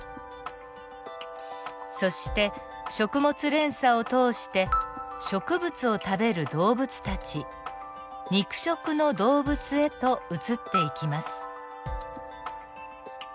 そして食物連鎖を通して植物を食べる動物たち肉食の動物へと移っていきます。